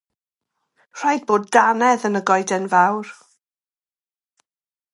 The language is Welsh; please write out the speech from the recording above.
Rhaid bod dannedd yn y Goeden Fawr.